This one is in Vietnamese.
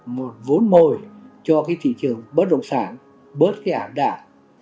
một vốn mồi cho cái thị trường bất động sản bớt cái ảm đạm